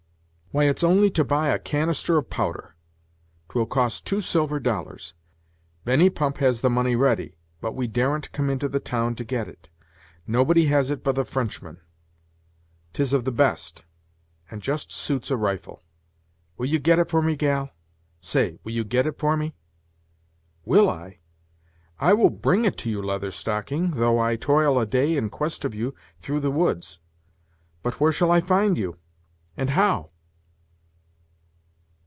"Why, it's only to buy a canister of powder 'twill cost two silver dollars. Benny Pump has the money ready, but we daren't come into the town to get it. Nobody has it but the Frenchman. 'Tis of the best, and just suits a rifle. Will you get it for me, gal? say, will you get it for me?" "Will I? I will bring it to you, Leather Stocking, though I toil a day in quest of you through the woods. But where shall I find you, and how?"